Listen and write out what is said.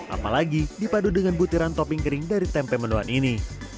apalagi dipadu dengan butiran topping kering dari tempe mendoan ini